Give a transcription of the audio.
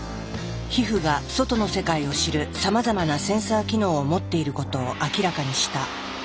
皮膚が外の世界を知るさまざまなセンサー機能を持っていることを明らかにした。